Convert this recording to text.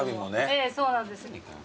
ええそうなんです。